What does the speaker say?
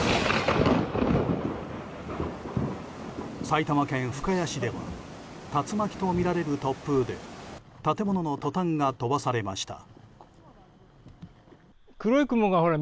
埼玉県深谷市では竜巻とみられる突風で建物のトタンが飛ばされました。